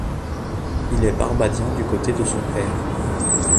Il est barbadien du côté de son père.